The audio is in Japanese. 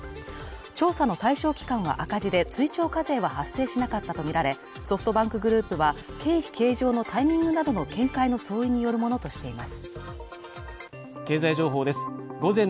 調査の対象期間は赤字で追徴課税は発生しなかったとみられソフトバンクグループは経費計上のタイミングなどの見解の相違によるものとしています